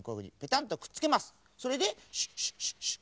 それでシュッシュッシュッシュッ。